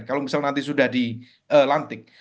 kalau misal nanti sudah di lantik